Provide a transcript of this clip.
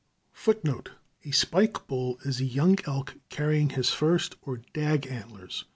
[Footnote A: A spike bull is a young elk carrying his first or dag antlers.